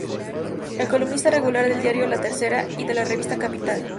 Es columnista regular del diario "La Tercera" y de la revista "Capital".